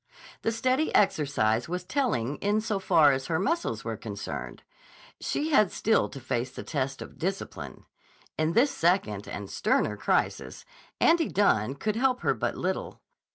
The steady exercise was telling in so far as her muscles were concerned; she had still to face the test of discipline. In this second and sterner crisis, Andy Dunne could help her but little.